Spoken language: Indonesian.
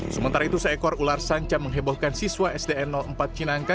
sementara itu seekor ular sanca menghebohkan siswa sdn empat cinangka